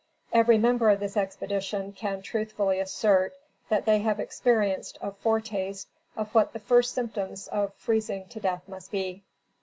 Every member of this expedition can truthfully assert that they have experienced a foretaste of what the first symptoms of freezing to death must be.